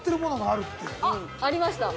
あっありました。